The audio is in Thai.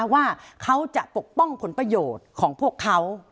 ว่าเขาจะปกป้องผลประโยชน์ของพวกเขา